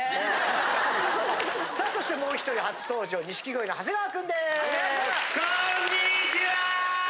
さあそしてもう１人初登場錦鯉の長谷川くんです！